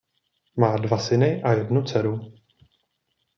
Má dva syny a jednu dceru.